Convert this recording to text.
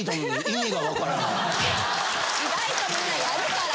意外とみんなやるから。